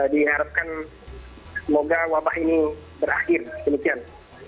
diharapkan semoga wabah ini berakhir demikian